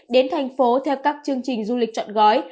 đến tp hcm theo các chương trình du lịch chọn gói